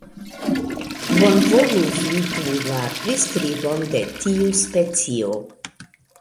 Bonvolu vidu la priskribon de tiu specio.